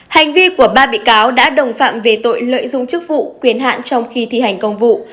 hành vi của ba bị cáo đã đồng phạm về tội lợi dụng chức vụ quyền hạn trong khi thi hành công vụ